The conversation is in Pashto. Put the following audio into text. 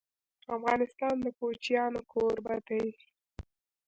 افغانستان د کوچیانو کوربه دی..